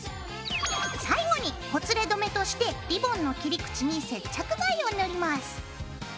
最後にほつれ止めとしてリボンの切り口に接着剤を塗ります。